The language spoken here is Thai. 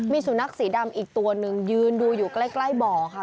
มีสุนัขสีดำอีกตัวนึงยืนดูอยู่ใกล้บ่อค่ะ